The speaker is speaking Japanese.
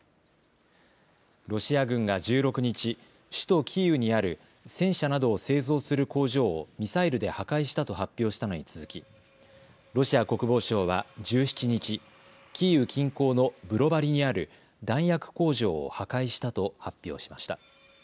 ロシア軍が１６日、首都キーウにある戦車などを製造する工場をミサイルで破壊したと発表したのに続き、ロシア国防省は１７日、キーウ近郊のブロバリにある弾薬工場を破壊したと発表しました。